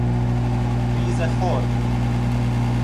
ریزه خور